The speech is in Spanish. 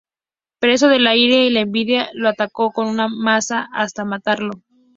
Preso de la ira y la envidia, lo atacó con una maza hasta matarlo.